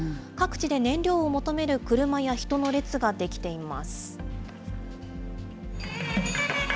各地で燃料を求める車や人の列が出来ています。